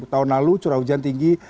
tahun lalu curah hujan tinggi